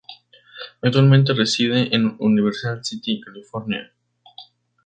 Actualmente reside en Universal City, California.